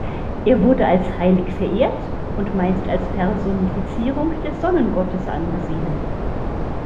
Er wurde als heilig verehrt und meist als Personifizierung des Sonnengottes angesehen.